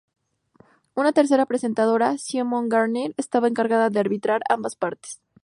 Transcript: Una tercera presentadora, Simone Garnier, estaba encargada de arbitrar ambas partes.